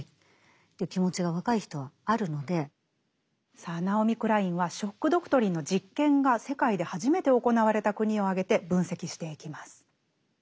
さあナオミ・クラインは「ショック・ドクトリン」の実験が世界で初めて行われた国を挙げて分析していきます。